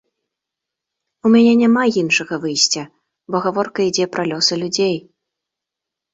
У мяне няма іншага выйсця, бо гаворка ідзе пра лёсы людзей.